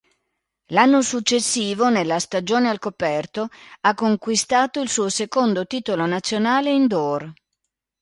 L'anno successivo, nella stagione al coperto, ha conquistato il suo secondo titolo nazionale indoor.